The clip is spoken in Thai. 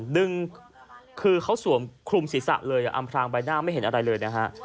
หนึ่งคือเขาสวมคลุมศีรษะเลยอำพลางใบหน้าไม่เห็นอะไรเลยนะฮะ